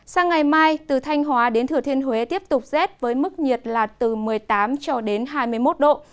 sang ngày mai từ thanh hóa đến thừa thiên huế tiếp tục rét với mức nhiệt là từ một mươi tám cho đến hai mươi một độ